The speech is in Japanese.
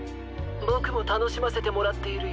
☎ボクもたのしませてもらっているよ。